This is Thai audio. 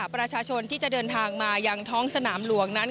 ประชาชนที่จะเดินทางมายังท้องสนามหลวงนั้น